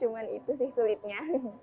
cuman itu sih sulitnya